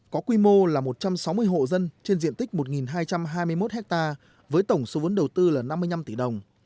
có quy mô là một trăm sáu mươi hộ dân trên diện tích một hai trăm hai mươi một ha với tổng số vốn đầu tư là năm mươi năm tỷ đồng